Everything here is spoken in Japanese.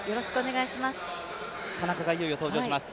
田中がいよいよ登場します。